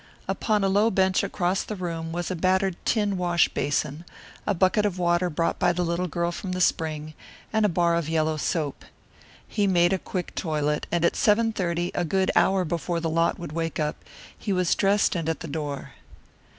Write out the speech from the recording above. Upon a low bench across the room was a battered tin wash basin, a bucket of water brought by the little girl from the spring, and a bar of yellow soap. He made a quick toilet, and at seven thirty, a good hour before the lot would wake up, he was dressed and at the door.